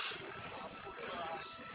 ya ampun ya ampun